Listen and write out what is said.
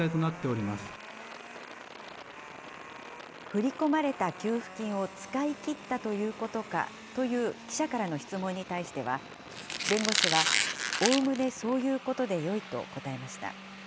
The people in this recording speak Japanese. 振り込まれた給付金を使い切ったということかという記者からの質問に対しては、弁護士は、おおむねそういうことでよいと答えました。